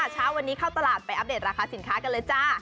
เช้าวันนี้เข้าตลาดไปอัปเดตราคาสินค้ากันเลยจ้า